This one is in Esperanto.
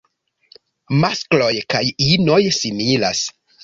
Maskloj kaj inoj similas.